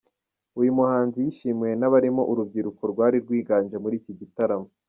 Uyu muhanzi yishimiwe n’abarimo urubyiruko rwari rwiganje muri iki gitaramo.